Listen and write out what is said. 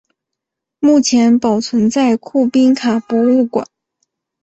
目前保存在库宾卡博物馆。